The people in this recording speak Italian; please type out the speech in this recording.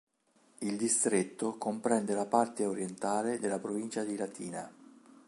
Il distretto comprende la parte orientale della provincia di Latina.